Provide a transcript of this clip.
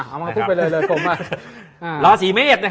เอามาพูดไปเลยเลยโครงมาก